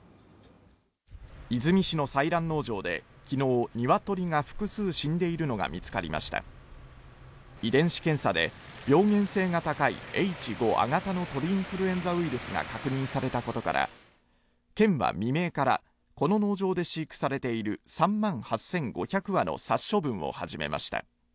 出水市の採卵農場できのうニワトリが複数死んでいるのが見つかりました遺伝子検査で病原性が高いＨ５亜型の鳥インフルエンザウイルスが確認されたことから県は未明からこの農場で飼育されている３万８５００羽の殺処分を始めました